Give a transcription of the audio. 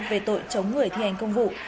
về tội chống người thi hành công vụ